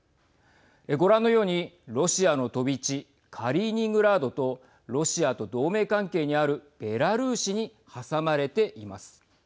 ご覧のようにロシアの飛び地カリーニングラードとロシアと同盟関係にあるベラルーシに挟まれています。